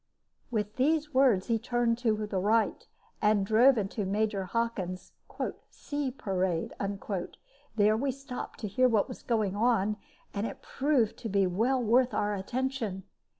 With these words he turned to the right, and drove into Major Hockin's "Sea Parade." There we stopped to hear what was going on, and it proved to be well worth our attention.